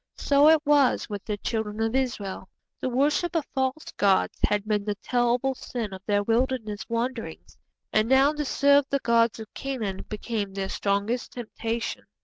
So it was with the Children of Israel. The worship of false gods had been the terrible sin of their wilderness wanderings, and now to serve the gods of Canaan became their strongest temptation.